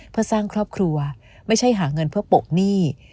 เพื่อสร้างครอบครัวไม่ใช่หาเงินเพื่อปกหนี้